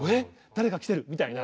誰か来てるみたいな。